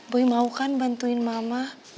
bui mau kan bantuin mama